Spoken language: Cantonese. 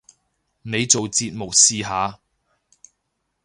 你做節目試下